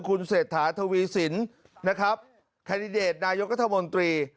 คุณเศรษฐาทวีสินนะครับแคนดิเดตนายกัธมนตรี